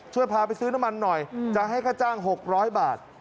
ช่วยพาไปซื้อน้ำมันหน่อยจะให้ค่าจ้าง๖๐๐บาท